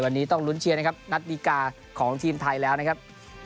วันนี้ต้องลุ้นเชียร์นะครับนัดดีกาของทีมไทยแล้วนะครับ